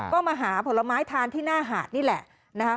ก็มาหาผลไม้ทานที่หน้าหาดนี่แหละนะคะ